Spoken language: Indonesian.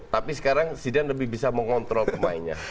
tapi sekarang zidan lebih bisa mengontrol pemainnya